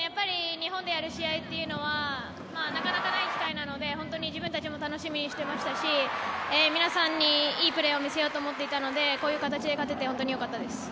日本でやる試合というのはなかなかない機会なので自分たちも楽しみにしていましたし皆さんにいいプレーを見せようと思っていたのでこういう形で勝てて本当によかったです。